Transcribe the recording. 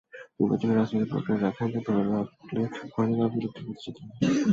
নির্বাচনী রাজনৈতিক প্রক্রিয়ায় রাখাইনদের ধরে রাখলে হয়তো তারা বিলুপ্তির পথে যেত না।